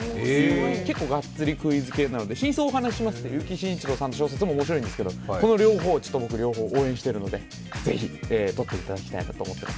結構がっつりクイズ系なので、「＃真相をお話しします」という結城真一郎さんの本も面白いんですけど、僕、両方応援しているので、ぜひとってもらいたいと思っています。